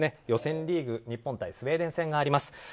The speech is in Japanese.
予選リーグ日本対スウェーデン戦があります。